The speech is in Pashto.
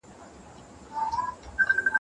پاک خدای هغه کسان خوښوي چي د نورو عزت کوي.